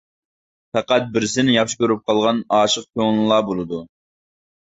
پەقەت بىرسىنى ياخشى كۆرۈپ قالغان ئاشىق كۆڭلىلا بولىدۇ!